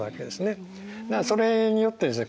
それによってですね